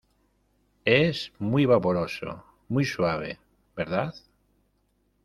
es muy vaporoso, muy suave ,¿ verdad?